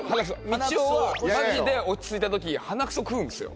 みちおはマジで落ち着いた時鼻くそ食うんですよ。